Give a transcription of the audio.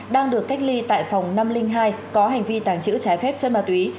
đang được cách ly tại phòng năm trăm linh hai có hành vi tàng trữ trái phép chất ma túy